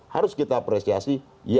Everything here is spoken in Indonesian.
harus kita apresiasi